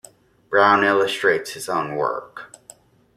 Browne illustrates his own work.